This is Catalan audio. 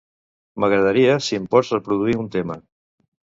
M'agradaria si em pots reproduir un tema.